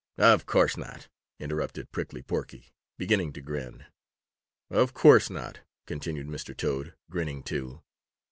"Of course not," interrupted Prickly Porky, beginning to grin. "Of course not," continued Mr. Toad, grinning, too.